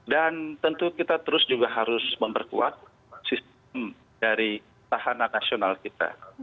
dan tentu kita terus juga harus memperkuat sistem dari tahanan nasional kita